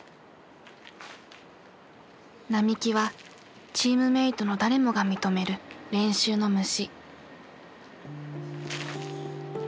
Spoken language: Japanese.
並木はチームメートの誰もが認める練習の虫。